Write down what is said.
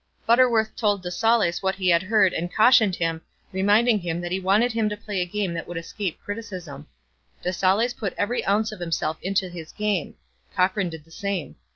Butterworth told de Saulles what he had heard and cautioned him, reminding him that he wanted him to play a game that would escape criticism. De Saulles put every ounce of himself into his game, Cochran did the same.